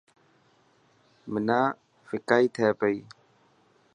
حنا ڦڪائي تي پئي.